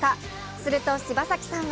すると柴咲さんは